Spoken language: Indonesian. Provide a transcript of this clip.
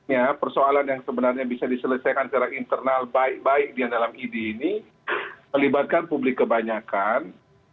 ya persoalan yang sebenarnya bisa diselesaikan secara internal baik baik dia dalam idi ini melibatkan publik kebanyakan